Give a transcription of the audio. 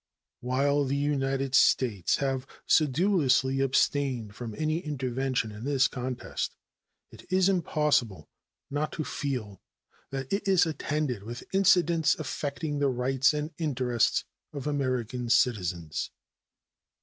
While the United States have sedulously abstained from any intervention in this contest, it is impossible not to feel that it is attended with incidents affecting the rights and interests of American citizens.